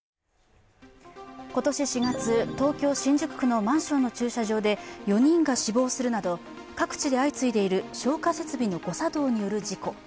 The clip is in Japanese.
今年４月東京・新宿区のマンションの駐車場で４人が死亡するなど各地で相次いでいる消火設備の誤作動による事故。